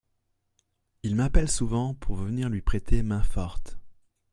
Il m'appelle souvent pour venir lui prêter main forte.